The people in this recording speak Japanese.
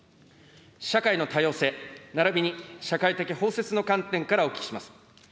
社会の多様性、並びに社会的包摂の観点からお聞きします。